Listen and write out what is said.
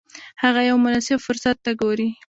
هغه یو مناسب فرصت ته ګوري.